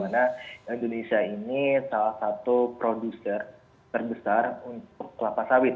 karena indonesia ini salah satu produser terbesar untuk kelapa sawit